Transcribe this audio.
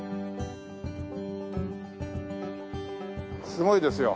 すごいですよ。